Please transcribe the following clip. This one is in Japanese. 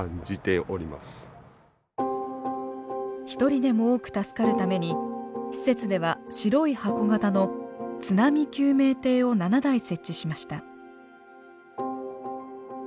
一人でも多く助かるために施設では白い箱型の津波救命艇を７台設置しました。